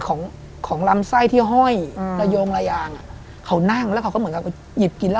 ออกออกออก